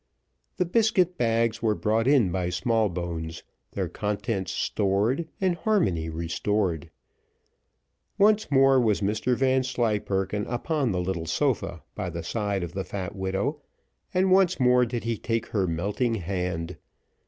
The biscuit bags were brought in by Smallbones, their contents stored, and harmony restored. Once more was Mr Vanslyperken upon the little sofa by the side of the fat widow, and once more did he take her melting hand.